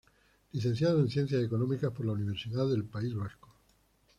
Licenciado en Ciencias Económicas por la Universidad del País Vasco.